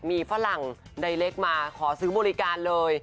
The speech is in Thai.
มีฝรั่งใดเล็กมาขอซื้อบริการเลย